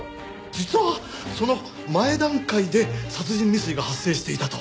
実はその前段階で殺人未遂が発生していたと。